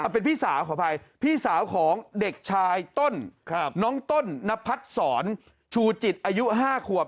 เป็นพี่สาวขออภัยพี่สาวของเด็กชายต้นน้องต้นนพัดศรชูจิตอายุ๕ขวบ